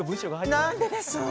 「なんででしょう？」。